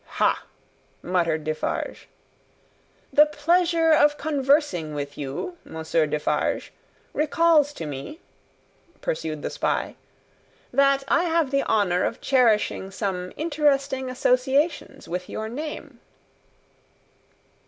"Hah!" muttered Defarge. "The pleasure of conversing with you, Monsieur Defarge, recalls to me," pursued the spy, "that I have the honour of cherishing some interesting associations with your name."